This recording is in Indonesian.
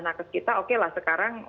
nakes kita oke lah sekarang